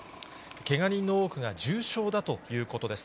けが人の多くが重傷だということです。